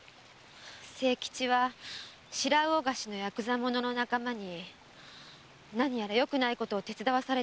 清吉は白魚河岸のやくざ者の仲間に何やらよくないことを手伝わされているようなんです。